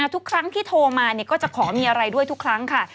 ทุกครั้งที่โทรมาก็จะขอมีอะไรด้วยทุกครั้งค่ะ